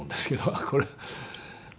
あっこれ。